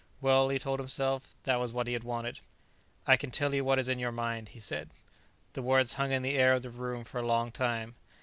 Well, he told himself, that was what he had wanted. "I can tell you what is in your mind," he said. The words hung in the air of the room for a long time.